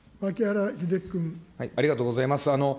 ありがとうございます。